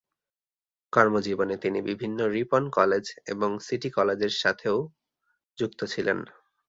কর্মজীবনে তিনি বিভিন্ন সময়ে রিপন কলেজ এবং সিটি কলেজের সাথেও যুক্ত ছিলেন।